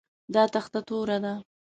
دا تخته توره ده